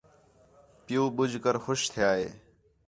پِیؤ ٻُجھ کر خوش تِھیا ہِے